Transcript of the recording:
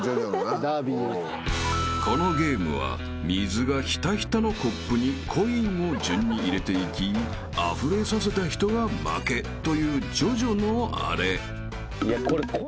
［このゲームは水がひたひたのコップにコインを順に入れていきあふれさせた人が負けという『ジョジョ』のあれ］